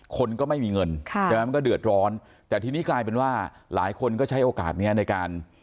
คนก็ไม่มีเงินใช่ไหมมันก็เดือดร้อนแต่ทีนี้กลายเป็นว่าหลายคนก็ใช้โอกาสนี้ในการ